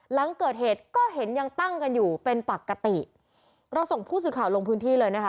หลังเกิดเหตุก็เห็นยังตั้งกันอยู่เป็นปกติเราส่งผู้สื่อข่าวลงพื้นที่เลยนะคะ